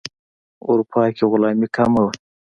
اروپا کې غلامي کمه وه.